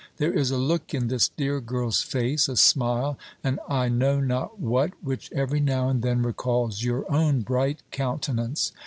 There is a look in this dear girl's face, a smile, an I know not what, which every now and then recalls your own bright countenance.